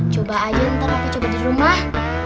coba aja ntar aku coba di rumah